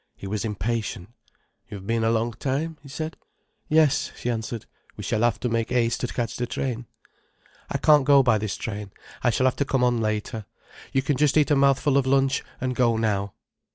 He was impatient. "You've been a long time," he said. "Yes," she answered. "We shall have to make haste to catch the train." "I can't go by this train. I shall have to come on later. You can just eat a mouthful of lunch, and go now."